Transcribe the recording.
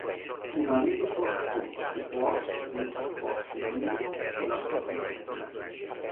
Un aneddoto racconta che Borges non si accorse nemmneno della sua simpatia.